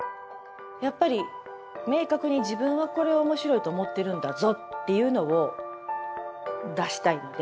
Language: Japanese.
やっぱり明確に自分はこれは面白いと思ってるんだぞっていうのを出したいので。